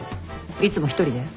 いつも一人で？